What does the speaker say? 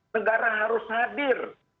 negara harus hadir